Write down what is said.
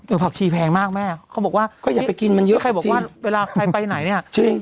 ผักชีแพงมากแม่เขาบอกว่าก็อย่าไปกินมันเยอะใครบอกว่าเวลาใครไปไหนเนี่ยจริง